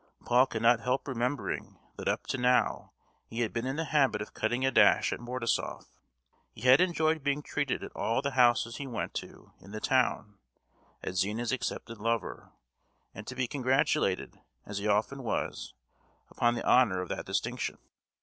Paul could not help remembering that up to now he had been in the habit of cutting a dash at Mordasoff. He had enjoyed being treated at all the houses he went to in the town, as Zina's accepted lover, and to be congratulated, as he often was, upon the honour of that distinction.